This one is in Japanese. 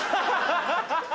ハハハ！